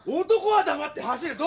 男はだまって走る。